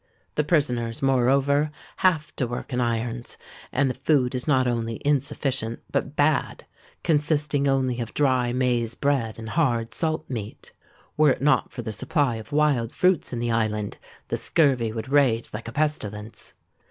The prisoners, moreover, have to work in irons; and the food is not only insufficient, but bad—consisting only of dry maize bread and hard salt meat. Were it not for the supply of wild fruits in the island, the scurvy would rage like a pestilence.